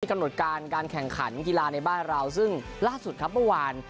กำหนดการการแข่งขันกีฬาในบ้านเราซึ่งล่าสุดครับเมื่อวาน